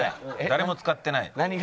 誰も使ってない。